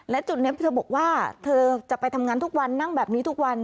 และจุดนี้เธอบอกว่าเธอจะไปทำงานทุกวันนั่งแบบนี้ทุกวัน